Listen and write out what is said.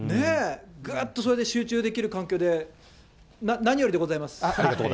ぐっとそれで集中できる環境で、何よりでございます。